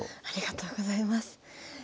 ありがとうございます。